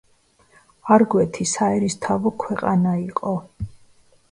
არგვეთი საერისთავო ქვეყანა იყო.